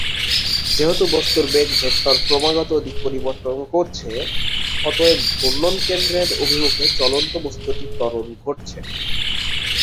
যেহেতু বস্তুর বেগ ভেক্টর ক্রমাগত দিক পরিবর্তন করছে, অতএব ঘূর্ণন কেন্দ্রের অভিমুখে চলন্ত বস্তুটির ত্বরণ ঘটছে।